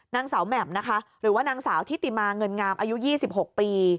นางสาวแหม่มนะคะหรือว่านางสาวทิติมาเงินงามอายุ๒๖ปี